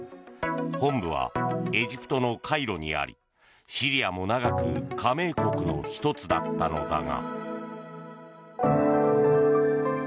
本部はエジプトのカイロにありシリアも長く加盟国の１つだったのだが。